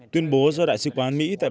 tuyên bố do đại sứ quán mỹ tại bắc kinh